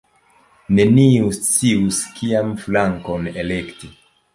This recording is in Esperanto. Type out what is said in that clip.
Neniu scius kian flankon elekti.